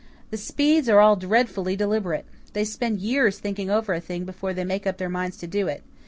The Speeds are all dreadfully deliberate. They spend years thinking over a thing before they make up their minds to do it.